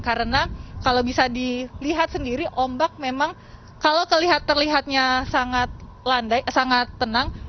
karena kalau bisa dilihat sendiri ombak memang kalau terlihatnya sangat tenang